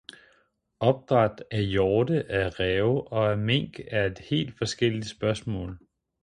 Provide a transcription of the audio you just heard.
Opdræt af hjorte, af ræve og af mink er helt forskellige spørgsmål.